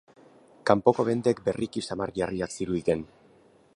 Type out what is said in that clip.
Kanpoko bendek berriki samar jarriak ziruditen.